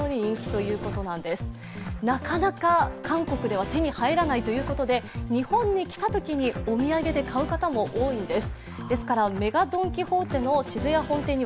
なかなか韓国では手に入らないということで日本に来たときにお土産で買う方も多いんです。